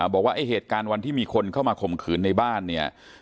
บอกว่าไอ้เหตุการณ์วันที่มีคนเข้ามาข่มขืนในบ้านเนี่ย